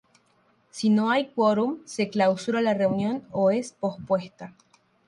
Si no hay quórum se clausura la reunión o es pospuesta.